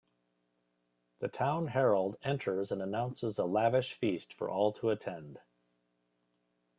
The town Herald enters and announces a lavish feast for all to attend.